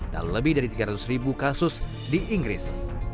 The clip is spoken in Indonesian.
dan lebih dari tiga ratus ribu kasus di inggris